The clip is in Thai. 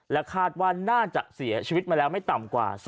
คาดว่าน่าจะเสียชีวิตมาแล้วไม่ต่ำกว่า